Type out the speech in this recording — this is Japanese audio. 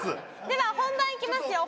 では本番いきますよ